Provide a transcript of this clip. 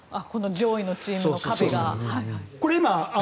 上位のチームの壁が。